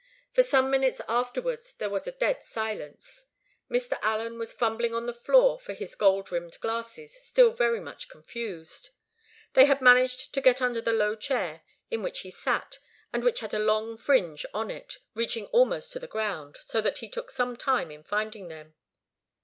For some minutes afterwards there was a dead silence. Mr. Allen was fumbling on the floor for his gold rimmed glasses, still very much confused. They had managed to get under the low chair in which he sat, and which had a long fringe on it, reaching almost to the ground, so that he took some time in finding them.